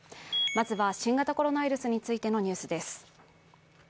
まずは新型コロナウイルスについてのニュースです。